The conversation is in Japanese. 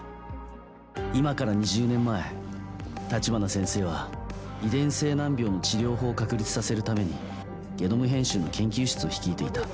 今から２０年前立花先生は遺伝性難病の治療法を確立させるためにゲノム編集の研究室を率いていた。